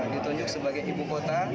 ditunjuk sebagai ibu kota